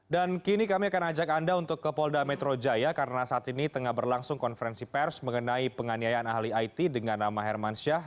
dan kini kami akan ajak anda untuk ke polda metro jaya karena saat ini tengah berlangsung konferensi pers mengenai penganiayaan ahli it dengan nama herman syah